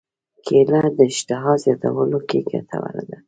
کېله د اشتها زیاتولو کې ګټوره ده.